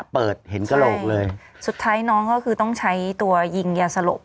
เปิดเห็นกระโหลกเลยสุดท้ายน้องก็คือต้องใช้ตัวยิงยาสลบ